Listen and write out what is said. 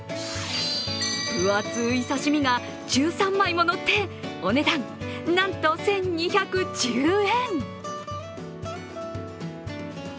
分厚い刺身が１３枚ものってお値段なんと１２１０円。